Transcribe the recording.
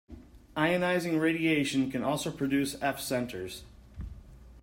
Ionizing radiation can also produce F-centers.